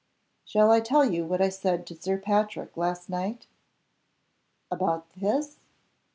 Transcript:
"Shall I tell you what I said to Sir Patrick last night?" "About _this?